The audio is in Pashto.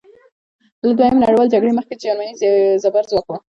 له دویمې نړیوالې جګړې مخکې جرمني زبرځواک وه.